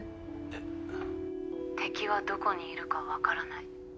えっ？敵はどこにいるかわからない。